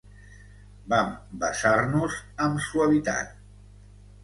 Vam besar-nos, amb suavitat.